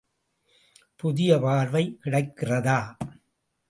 புதிய பார்வை கிடைக்கிறதா?